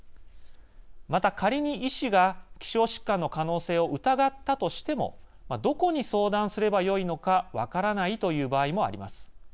また、仮に医師が希少疾患の可能性を疑ったとしてもどこに相談すればよいのか分からないという場合もあります。